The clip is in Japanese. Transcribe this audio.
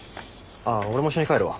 あっ俺も一緒に帰るわ。